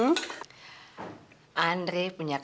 gimana sih kalau kamu menresser nutrientsa